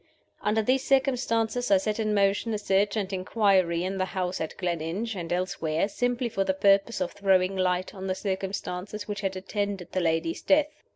"Under these circumstances, I set in motion a search and inquiry in the house at Gleninch and elsewhere, simply for the purpose of throwing light on the circumstances which had attended the lady's death.